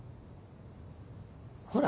ほら？